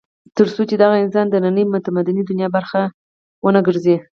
تر څو چې دغه انسان د نننۍ متمدنې دنیا برخه ونه ګرځي.